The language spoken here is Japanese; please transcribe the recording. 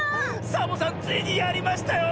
サボさんついにやりましたよ！